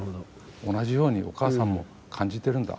同じようにお母さんも感じてるんだ。